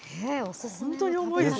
本当に重いですね。